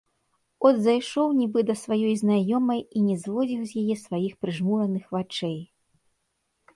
От зайшоў нібы да сваёй знаёмай і не зводзіў з яе сваіх прыжмураных вачэй.